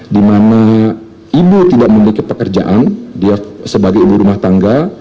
di mana ibu tidak memiliki pekerjaan dia sebagai ibu rumah tangga